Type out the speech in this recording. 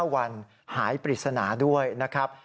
๕วันหายปริศนาด้วยนะครับ